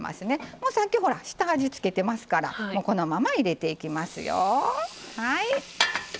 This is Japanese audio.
もうさっきほら下味付けてますからこのまま入れていきますよ。